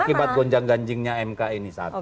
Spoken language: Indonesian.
akibat gonjang ganjingnya mk ini satu